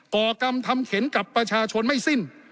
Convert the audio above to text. ่อกรรมทำเข็นกับประชาชนไม่สิ้น